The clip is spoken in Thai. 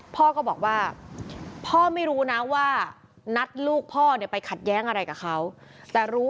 พ่อก็บอกว่าพ่อไม่รู้นะว่านัดลูกพ่อเนี่ยไปขัดแย้งอะไรกับเขาแต่รู้